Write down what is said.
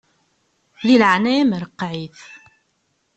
Di leɛnaya-m ṛeqqeɛ-it.